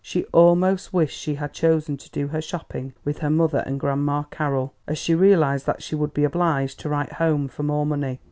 She almost wished she had chosen to do her shopping with her mother and Grandma Carroll, as she realised that she would be obliged to write home for more money.